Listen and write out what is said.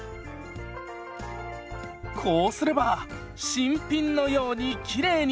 こうすれば新品のようにきれいに！